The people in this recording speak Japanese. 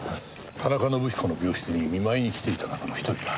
田中伸彦の病室に見舞いに来ていた中の一人だ。